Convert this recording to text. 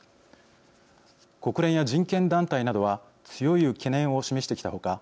国連や人権団体などは強い懸念を示してきた他